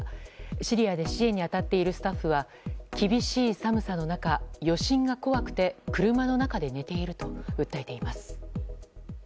シリアで支援に当たっているスタッフは厳しい寒さの中余震が怖くて、車の中で寝ていると訴えています。